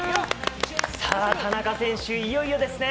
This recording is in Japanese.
田中選手、いよいよですね。